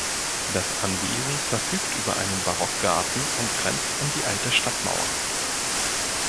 Das Anwesen verfügt über einen Barockgarten und grenzt an die alte Stadtmauer.